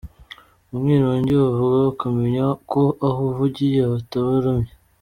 Umwirongi wavuga ukamenya ko aho uvugiye bataramye.